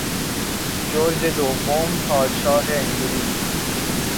جرج دوم پادشاه انگلیس